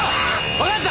わかった！